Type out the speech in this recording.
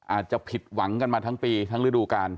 อาจจะผิดหวังกันมาทั้งปีทั้งฤดูกาล